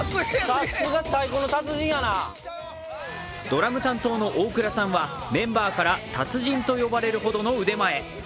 ドラム担当の大倉さんはメンバーから達人と呼ばれるほどの腕前。